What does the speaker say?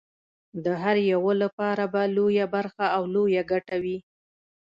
د هر یوه لپاره به لویه برخه او لویه ګټه وي.